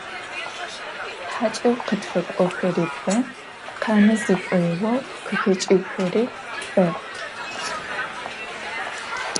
Хьакӏэу къытфакӏохэри бэ, къанэ зышӏоигъоу къыхэкӏхэри бэ.